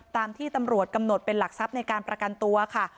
ตามที่ตำรวจกำหนดเป็นหลักทรัพย์ในการประกันตัวค่ะ